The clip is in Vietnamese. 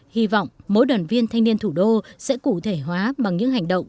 hy vọng mỗi đoàn viên thanh niên thủ đô sẽ cụ thể hóa bằng những hành động